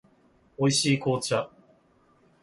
美味しい紅茶